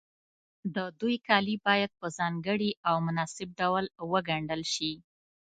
د دوی کالي باید په ځانګړي او مناسب ډول وګنډل شي.